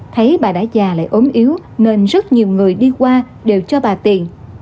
thấy bà đã già lại ốm yếu nên rất nhiều người đi qua đều cho bà tiền